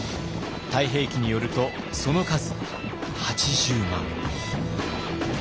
「太平記」によるとその数８０万。